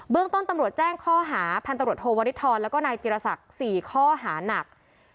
เบื้องต้นตำรวจแจ้งข้อหาพันธุ์ตำรวจโทวริทธรและนายจิรษักร์๔ข้อหานัก